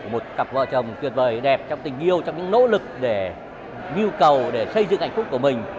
một cặp vợ chồng tuyệt vời đẹp trong tình yêu trong những nỗ lực để nhu cầu để xây dựng hạnh phúc của mình